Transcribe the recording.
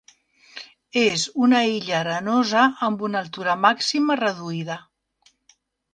És una illa arenosa amb una altura màxima reduïda.